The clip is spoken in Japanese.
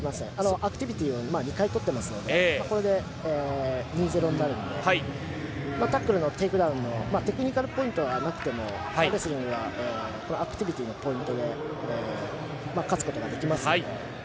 アクティビティーは２回取っているのでこれで２対０になるのでタックルのテイクダウンのテクニカルフォールはなくてもこのアクティビティーのポイントで勝つことができますので。